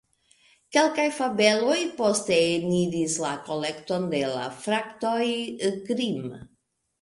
Kelkaj fabeloj poste eniris la kolekton de la Fratoj Grimm.